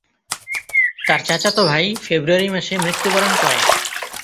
তার চাচাতো ভাই ফেব্রুয়ারি মাসে মৃত্যুবরণ করে।